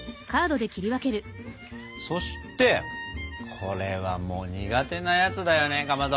そしてこれはもう苦手なやつだよねかまど。